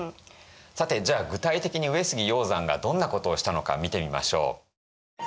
さてじゃあ具体的に上杉鷹山がどんなことをしたのか見てみましょう。